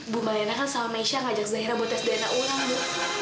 bu malena kan sama maisha ngajak zaira buat tes dna ulang bu